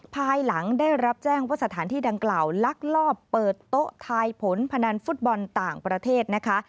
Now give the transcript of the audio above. ภายหลังได้รับแจ้งว่าสถานที่ดังกล่าวลักลอบเปิดโต๊ะทายผลพนันฟุตบอลต่างประเทศนะคะ